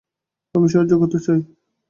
আমি সাহায্য করতে চাই।